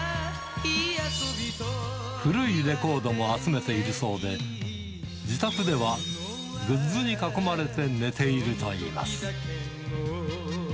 古いレコードも集めているそうで、自宅ではグッズに囲まれて寝ているといいます。